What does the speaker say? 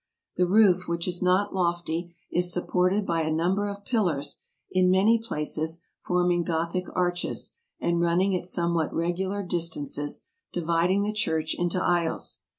The roof, which is not lofty, is supported by a num ber of pillars, in many places forming Gothic arches, and running at somewhat regular distances, dividing the church into aisles.